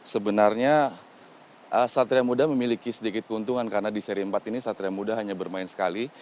sebenarnya satria muda memiliki sedikit keuntungan karena di seri empat ini satria muda hanya bermain sekali